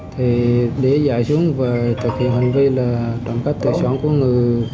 thì đi dạy chúng và thực hiện hành vi là tổng cấp tài sản của người